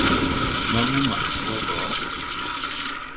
Maamu, maʼ ne wa gɔ !